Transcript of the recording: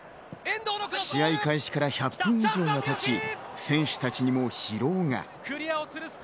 試合開始から１００分以上が経ち、選手たちにも疲労が。